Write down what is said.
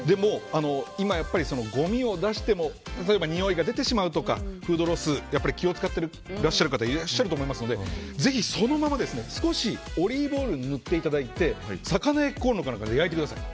今、ごみを出しても例えばにおいが出てしまうとかフードロス、気を使っている方いらっしゃると思いますのでぜひ、そのまま少しオリーブオイルを塗っていただいて魚焼きコンロか何かで焼いてください。